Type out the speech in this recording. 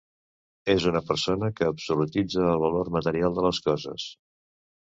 És una persona que absolutitza el valor material de les coses.